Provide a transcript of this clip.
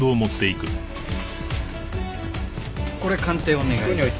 これ鑑定お願い。